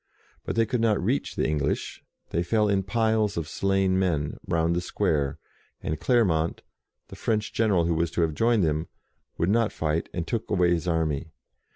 But they could not reach the English ; they fell in piles of slain men round the square, and Clermont, the French 24 JOAN OF ARC general who was to have joined them, would not fight, and took away his army.